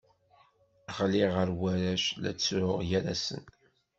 Ɣliɣ gar warrac, la ttruɣ gar-asen.